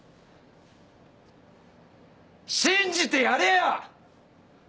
信じてやれよ！